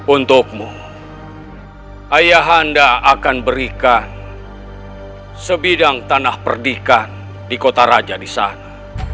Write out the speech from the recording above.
untukmu ayah anda akan berikan sebidang tanah perdikan di kota raja di sana